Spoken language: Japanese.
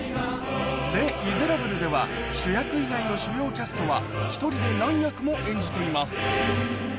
『レ・ミゼラブル』では主役以外の主要キャストは１人で何役も演じています